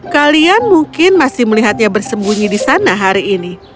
kalian mungkin masih melihatnya bersembunyi di sana hari ini